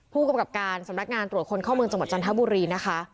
ผู้กำกับการสำนักงานตรวจคนเข้าเมืองจังหวัดจันทบุรีนะคะ